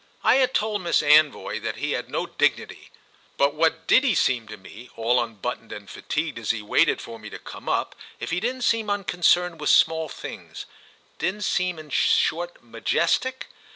I had told Miss Anvoy that he had no dignity, but what did he seem to me, all unbuttoned and fatigued as he waited for me to come up, if he didn't seem unconcerned with small things, didn't seem in short majestic?